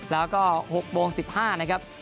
แล้วก็๖โมง๑๕นะครับ